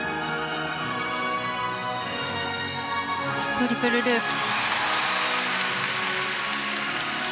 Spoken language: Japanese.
トリプルループ。